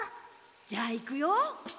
じゃあいくよ。